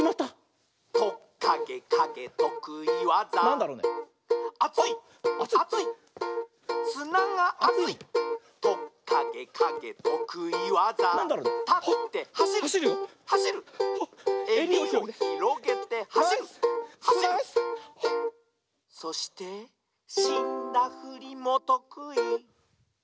「トッカゲカゲとくいわざ」「アツいっアツいっすながあつい」「トッカゲカゲとくいわざ」「たってはしるはしる」「えりをひろげてはしるはしる」「そしてしんだふりもとくい」